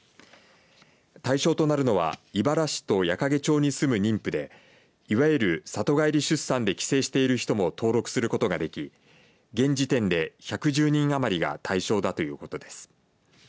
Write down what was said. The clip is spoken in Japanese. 対象となるのは井原市と矢掛町に住む妊婦でいわゆる里帰り出産で帰省している人も登録することができ現時点で１１０人余りが対象だということです。